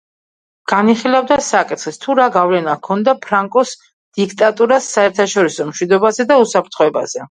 განიხილავდა საკითხს თუ რა გავლენა ჰქონდა ფრანკოს დიქტატურას საერთაშორისო მშვიდობაზე და უსაფრთხოებაზე.